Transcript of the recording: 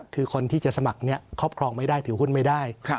คือคนที่จะสมัครครอบครองไม่ได้ถือหุ้นไม่ได้